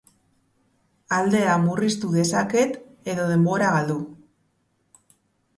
Aldea murriztu dezaket edo denbora galdu.